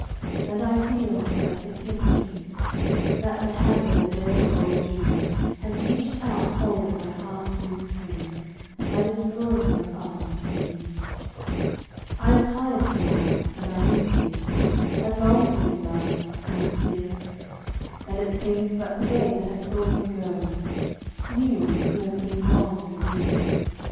And I feel, as I sit here thinking, That the hand of a dead old June Has reached out hold of my heart's loose strings, And is drawing them up in tune. I am tired to night, and I miss you, And long for you, love, through tears; And it seems but to day that I saw you go You, who have been gone for years.